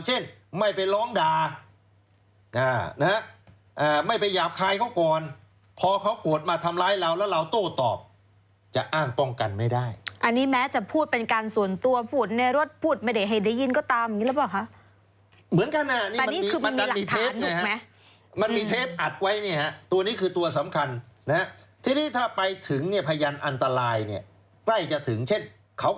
เช่นเขากำลังจะยิงเรา